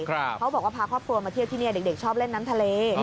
เขาบอกว่าพาครอบครัวมาเที่ยวที่นี่เด็กชอบเล่นน้ำทะเล